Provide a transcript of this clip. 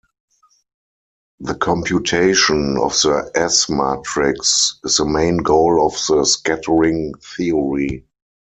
The computation of the S-matrix is the main goal of the scattering theory.